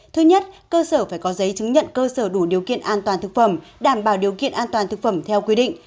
thứ nhất cơ sở phải có giấy chứng nhận cơ sở đủ điều kiện an toàn thực phẩm đảm bảo điều kiện an toàn thực phẩm theo quy định